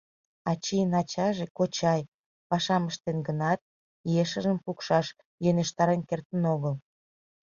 Ачийын ачаже, кочай, пашам ыштен гынат, ешыжым пукшаш йӧнештарен кертын огыл.